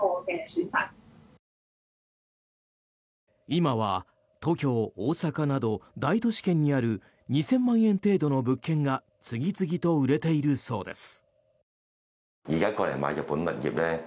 今は東京、大阪など大都市圏にある２０００万円程度の物件が次々と売れているそうです。